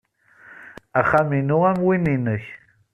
Axxam-inu am win-nnek.